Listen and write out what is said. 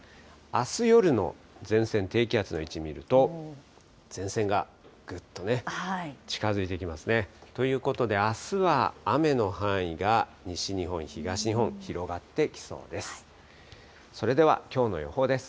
あす夜の前線、低気圧の位置見ると、前線がぐっとね、近づいてきますね。ということで、あすは雨の範囲が西日本、東日本、広がってきそうです。